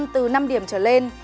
một mươi chín một từ năm điểm trở lên